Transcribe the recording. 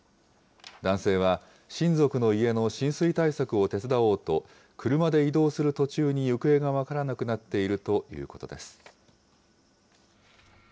男性は、親族の家の浸水対策を手伝おうと、車で移動する途中に行方が分からなくなっているということです。